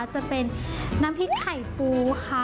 จะเป็นน้ำพริกไข่ปูค่ะ